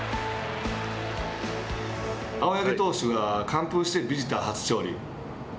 青柳投手が完封してビジター初勝利。